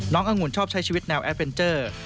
อังุ่นชอบใช้ชีวิตแนวแอดเวนเจอร์